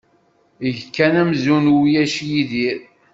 Eg kan amzun ulac Yidir.